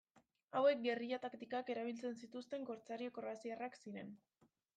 Hauek gerrilla taktikak erabiltzen zituzten kortsario kroaziarrak ziren.